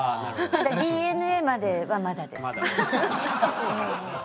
ただＤＮＡまではまだです。